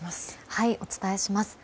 はい、お伝えします。